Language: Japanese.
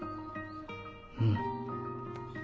うん。